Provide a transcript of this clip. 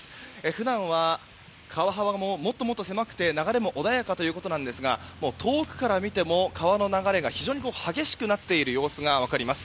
普段は川幅ももっともっと狭くて流れも穏やかということですが遠くから見ても川の流れが非常に激しくなっている様子が分かります。